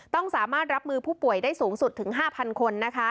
ต้องสามารถรับมือผู้ป่วยได้สูงสุดถึง๕๐๐คน